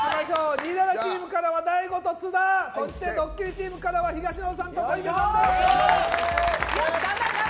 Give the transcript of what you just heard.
「２７」チームからは大悟と津田そして「ドッキリ」チームからは東野さんと小池さんです！